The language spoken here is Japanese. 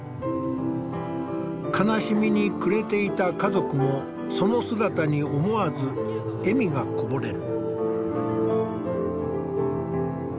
悲しみに暮れていた家族もその姿に思わず笑みがこぼれる。